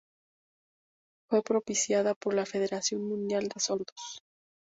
Fue propiciada por la Federación Mundial de Sordos.